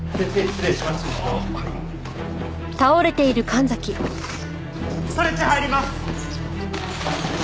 ストレッチャー入ります！